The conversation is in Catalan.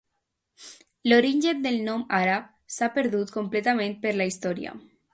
L'origen del nom àrab s'ha perdut completament per la història.